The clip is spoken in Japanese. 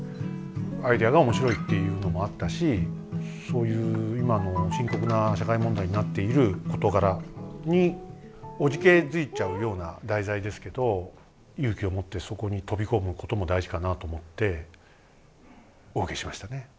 アイデアが面白いっていうのもあったしそういう今の深刻な社会問題になっている事柄におじけづいちゃうような題材ですけど勇気を持ってそこに飛び込むことも大事かなと思ってお受けしましたね。